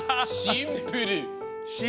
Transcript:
シンプル。